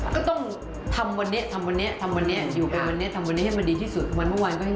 ก็ต้องทำวันนี้ทำวันนี้ทำวันนี้